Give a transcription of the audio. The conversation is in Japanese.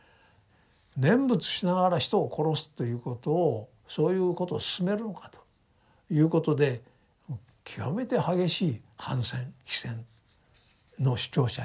念仏しながら人を殺すということをそういうことを勧めるのかということで極めて激しい反戦非戦の主張者になるわけですね。